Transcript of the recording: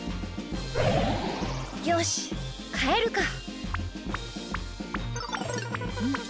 よしかえるか。